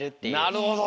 なるほど！